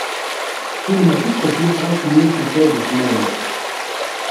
Tin maci d tasnasɣalt n Yunes u Saɛid u Smaɛil.